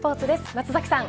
松崎さん